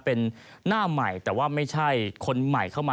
เป็นหน้าใหม่แต่ว่าไม่ใช่คนใหม่เข้ามา